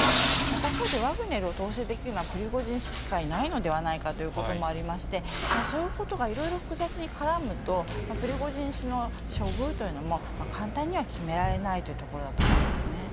他方でワグネルを統制できるのはプリゴジン氏しかいないのではないかということもありまして、そういうことがいろいろ複雑に絡むと、プリゴジン氏の処遇というのも、簡単には決められないというところだと思うんですね。